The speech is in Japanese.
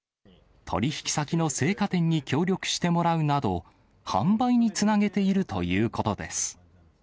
取り引き先の青果店に協力してもらうなど、販売につなげているということです。